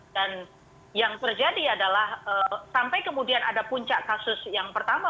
dan yang terjadi adalah sampai kemudian ada puncak kasus yang pertama